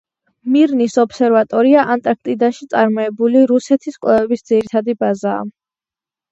მირნის ობსერვატორია ანტარქტიდაში წარმოებული რუსეთის კვლევების ძირითადი ბაზაა.